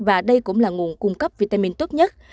và đây cũng là nguồn cung cấp vitamin tốt nhất